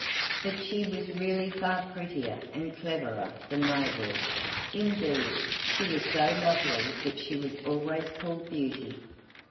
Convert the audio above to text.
But she was really far prettier and cleverer than they were; indeed, she was so lovely that she was always called Beauty.